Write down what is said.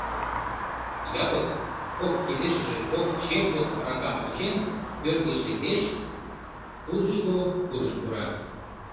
Япык, кок кидешыже кок черпыт аракам кучен, пӧрт гыч лектеш, кудышко куржын пура.